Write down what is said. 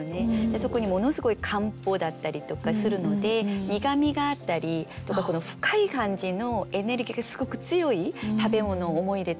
そこにものすごい漢方だったりとかするので苦みがあったりとか深い感じのエネルギーがすごく強い食べ物を思い出として持ってますね。